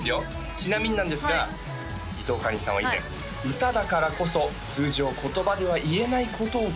ちなみになんですが伊藤かりんさんは以前「歌だからこそ」「通常言葉では言えないことを伝えられる」